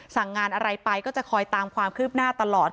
สั่งงานอะไรไปก็จะคอยตามความคืบหน้าตลอด